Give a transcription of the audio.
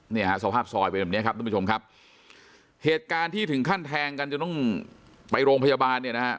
เนี่ยฮะสภาพซอยเป็นแบบเนี้ยครับทุกผู้ชมครับเหตุการณ์ที่ถึงขั้นแทงกันจนต้องไปโรงพยาบาลเนี่ยนะฮะ